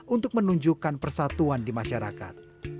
untuk menunjukkan persatuan di masyarakat